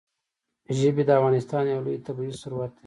ژبې د افغانستان یو لوی طبعي ثروت دی.